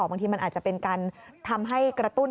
บางทีมันอาจจะเป็นการทำให้กระตุ้น